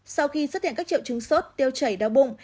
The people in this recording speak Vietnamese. sau khi xuất hiện các triệu chứng sốt tiêu chảy đau bụng